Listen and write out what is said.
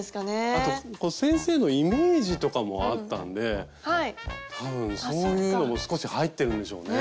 あと先生のイメージとかもあったんで多分そういうのも少し入ってるんでしょうね。